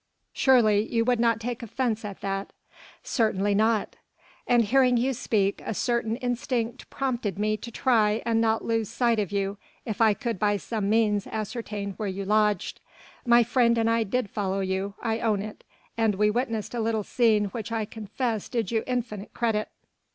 Surely you would not take offence at that." "Certainly not." "And hearing you speak, a certain instinct prompted me to try and not lose sight of you if I could by some means ascertain where you lodged. My friend and I did follow you: I own it, and we witnessed a little scene which I confess did you infinite credit."